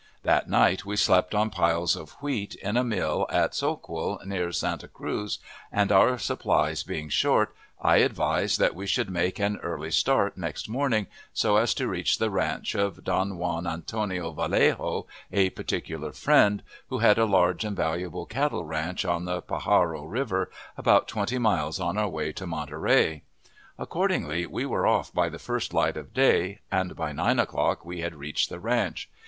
That night we slept on piles of wheat in a mill at Soquel, near Santa Cruz, and, our supplies being short, I advised that we should make an early start next morning, so as to reach the ranch of Don Juan Antonio Vallejo, a particular friend, who had a large and valuable cattle ranch on the Pajaro River, about twenty miles on our way to Monterey. Accordingly, we were off by the first light of day, and by nine o'clock we had reached the ranch.